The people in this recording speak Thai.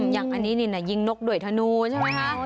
อย่างอันนี้นี่ยิงนกด้วยธนูใช่ไหมคะ